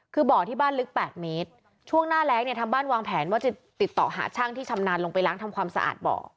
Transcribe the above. คือบ่อที่บ้านลึก๘เมตรช่วงหน้าแรงเนี่ยทางบ้านวางแผนว่าจะติดต่อหาช่างที่ชำนาญลงไปล้างทำความสะอาดบ่อ